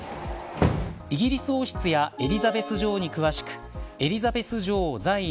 イギリス王室やエリザベス女王に詳しくエリザベス女王在位